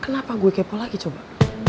kenapa gue kepo lagi coba